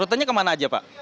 rutenya kemana aja pak